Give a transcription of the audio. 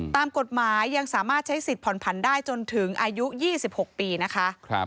ตามกฎหมายยังสามารถใช้สิทธิผ่อนผันได้จนถึงอายุ๒๖ปีนะคะ